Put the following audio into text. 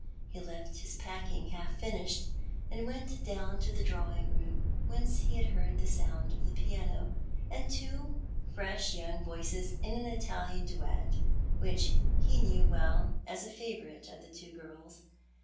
He left his packing half finished, and went down to the drawing room whence he had heard the sound of the piano, aud two fresh young voices in an Italian duet, which he knew well as a favourite with the two girls.